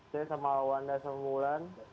saya sama wanda semula